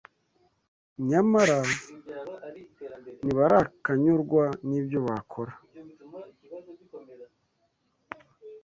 nyamara ntibarakanyurwa nibyo bakora